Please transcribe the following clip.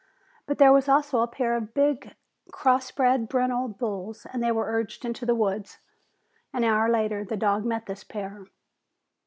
But there was also a pair of big cross bred brindle bulls and they were urged into the woods. An hour later the dog met this pair.